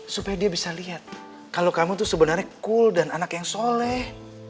supaya dia bisa liat kalo kamu tuh sebenernya cool dan anak yang soleh